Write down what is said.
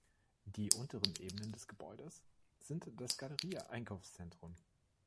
Die unteren Ebenen des Gebäudes sind das Galleria Einkaufszentrum.